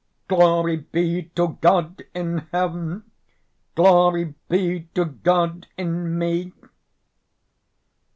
"Glory be to God in Heaven, Glory be to God in me....